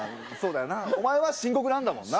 お前は深刻なんだもんな。